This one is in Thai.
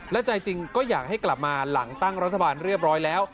และใจจริงก็อยากให้กลับมาหลังตั้งรัฐบาลเรียบร้อยแล้ว